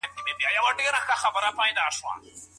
موږ کولای خپلو اهدافو ته په نظم ورسېږو.